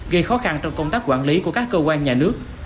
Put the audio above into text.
gây khó khăn trong công tác quản lý của các cơ quan nhà nước